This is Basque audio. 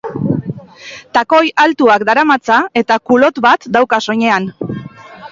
Takoi altuak daramatza eta coulotte bat dauka soinean.